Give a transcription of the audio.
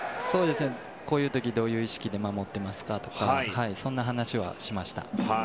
こういう時どういう意識で守ってますかとかそんな話はしました。